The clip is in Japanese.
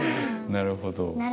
なるほど。